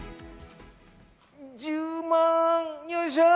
１０万よいしょ！